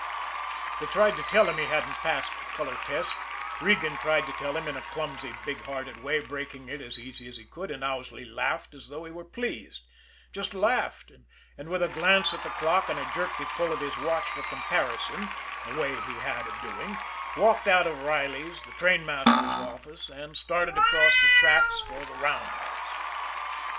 They tried to tell him he hadn't passed the color test Regan tried to tell him in a clumsy, big hearted way, breaking it as easy as he could and Owsley laughed as though he were pleased just laughed, and with a glance at the clock and a jerky pull at his watch for comparison, a way he had of doing, walked out of Riley's, the trainmaster's office, and started across the tracks for the roundhouse.